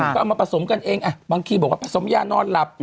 ก็เอามาผสมกันเองบางทีบอกว่าผสมยานอนหลับ